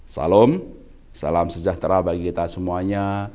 salam salam sejahtera bagi kita semuanya